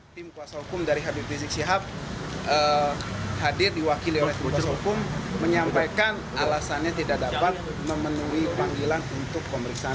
tim kuasa hukum dari habib rizik sihab hadir diwakili oleh kuasa hukum menyampaikan alasannya tidak dapat memenuhi panggilan untuk pemeriksaan